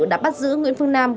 đã bắt giữ nguyễn phương nam